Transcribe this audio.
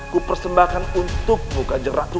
kupersembahkan untukmu ganjeng ratu